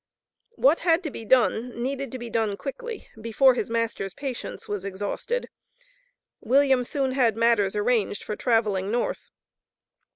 What had to be done, needed to be done quickly, before his master's patience was exhausted. William soon had matters arranged for traveling North.